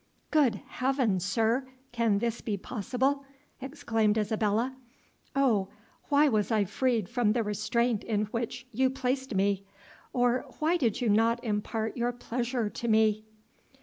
"Good Heaven, sir! can this be possible?" exclaimed Isabella. "O, why was I freed from the restraint in which you placed me? or why did you not impart your pleasure to me?"